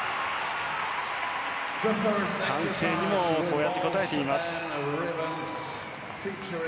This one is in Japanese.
歓声にもこうやって応えています。